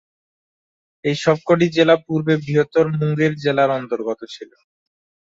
এই সব কটি জেলা পূর্বে বৃহত্তর মুঙ্গের জেলার অন্তর্গত ছিল।